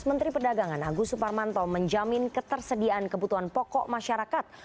menteri perdagangan agus suparmanto menjamin ketersediaan kebutuhan pokok masyarakat